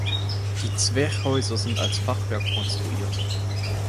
Die Zwerchhäuser sind als Fachwerk konstruiert.